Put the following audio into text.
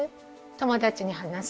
友達に話す？